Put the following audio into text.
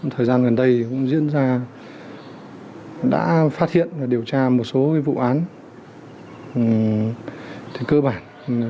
thời gian gần đây cũng diễn ra đã phát hiện và điều tra một số vụ án cơ bản